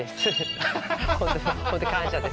本当感謝です